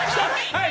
はい！